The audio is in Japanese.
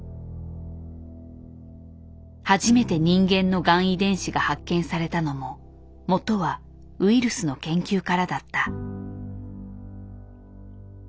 初めて人間のがん遺伝子が発見されたのももとはウイルスの研究からだった。